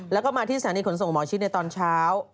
แล้วก็มาที่สถานีขนส่งหมอชิดในตอนเช้า